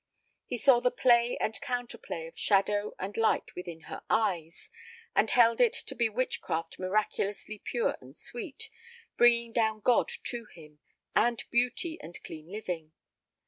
He saw the play and counterplay of shadow and light within her eyes, and held it to be witchcraft miraculously pure and sweet, bringing down God to him, and beauty, and clean living.